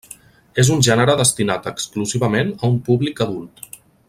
És un gènere destinat exclusivament a un públic adult.